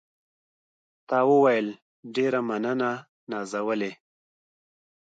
تا وویل: ډېره مننه نازولې.